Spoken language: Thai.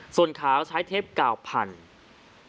ส่วนขาวใช้เทปกาวพันธุ์